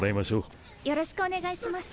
よろしくお願いします。